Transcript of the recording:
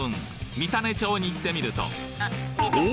三種町に行ってみるとお！